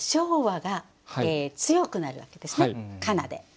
「唱和」が強くなるわけですね「かな」で。